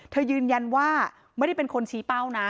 ยืนยันว่าไม่ได้เป็นคนชี้เป้านะ